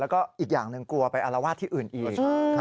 แล้วก็อีกอย่างหนึ่งกลัวไปอารวาสที่อื่นอีก